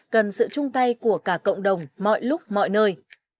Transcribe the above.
cần sự chung tay của cả cộng đồng mọi lúc mọi nơi